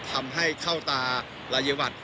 ทำให้เข้าตาลายวัตร